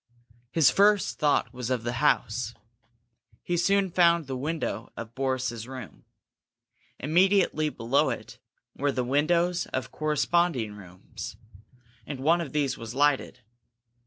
His first thought was of the house. He soon found the window of Boris's room. Immediately below it were the windows of corresponding rooms, and one of these was lighted.